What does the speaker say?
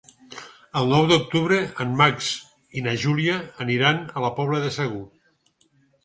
El nou d'octubre en Max i na Júlia aniran a la Pobla de Segur.